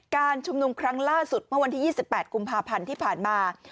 การชุมนุมครั้งล่าสุดเมื่อวันที่๒๘กุมภาพันธ์ที่ผ่านมา